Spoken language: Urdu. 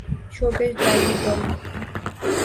showbiz diary Bali